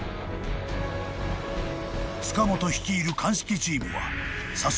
［塚本率いる鑑識チームは早速］